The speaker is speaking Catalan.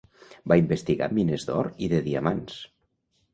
Va investigar mines d'or i de diamants.